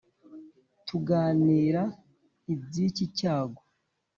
Tuganira iby'iki cyago